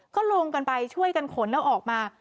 ก็ลงกันไปช่วยกันขนเอาออกมา